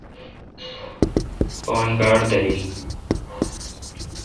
پان باڑ داریل۔